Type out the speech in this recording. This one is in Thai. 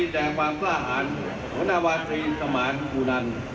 จะนำไปเป็นกรณีศึกษา